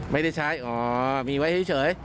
ไม่ได้ใช้อ๋อมีไว้เฉย